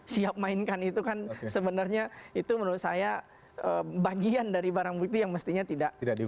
siap mainkan itu kan sebenarnya itu menurut saya bagian dari barang bukti yang mestinya tidak